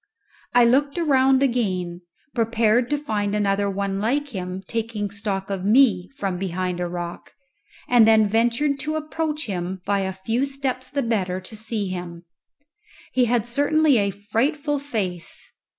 I looked around again, prepared to find another one like him taking stock of me from behind a rock, and then ventured to approach him by a few steps the better to see him. He had certainly a frightful face.